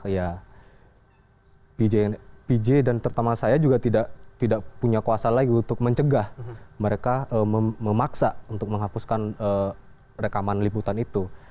ya pj dan terutama saya juga tidak punya kuasa lagi untuk mencegah mereka memaksa untuk menghapuskan rekaman liputan itu